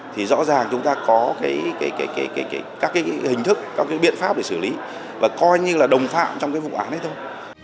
thì rõ ràng chúng ta có các hình thức các biện pháp để xử lý và coi như là đồng phạm trong cái vụ án ấy thôi